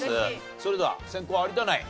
それでは先攻有田ナイン